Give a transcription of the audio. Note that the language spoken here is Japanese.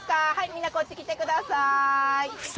みんなこっち来てください！